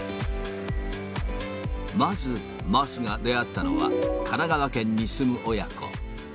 まず桝が出会ったのは、神奈川県に住む親子。